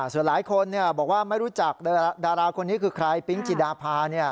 ส่วนหลายคนบอกว่าไม่รู้จักดาราคนนี้คือใครปิ๊งจิดาพา